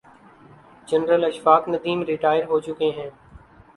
General Ashfaq Nadeem retire ہو چکے ہیں۔